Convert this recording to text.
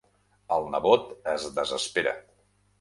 El nebot es desespera.